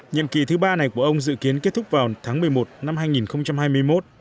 nhiệm kỳ thứ ba này của ông dự kiến kết thúc vào tháng một mươi một năm hai nghìn hai mươi một